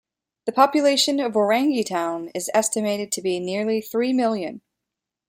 The population of Orangi Town is estimated to be nearly three million.